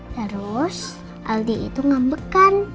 terus aldi itu ngambekan